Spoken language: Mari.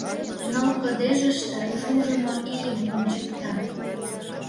Ныл кыдежыште шужымо ийым ончыкта.